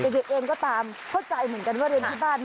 เด็กเองก็ตามเข้าใจเหมือนกันว่าเรียนที่บ้าน